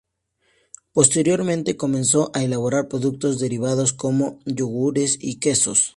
Posteriormente, comenzó a elaborar productos derivados como yogures y quesos.